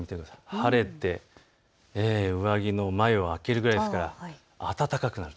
晴れて上着の前を開けるぐらいですから暖かくなると。